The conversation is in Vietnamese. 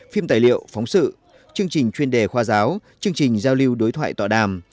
phim tài liệu phóng sự chương trình chuyên đề khoa giáo chương trình giao lưu đối thoại tọa đàm